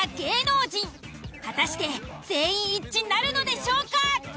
果たして全員一致なるのでしょうか？